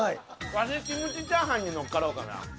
ワシキムチチャーハンに乗っかろうかな。